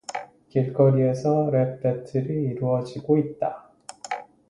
길거리에서 랩 배틀이 이루어지고 있다.